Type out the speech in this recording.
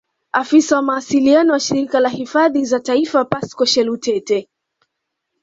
Afisa wa mawasiliano wa Shirika la Hifadhi za Taifa Pascal Shelutete